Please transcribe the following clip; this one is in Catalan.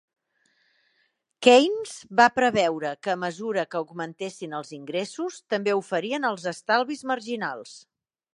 Keynes va preveure que a mesura que augmentessin els ingressos, també ho farien els estalvis marginals.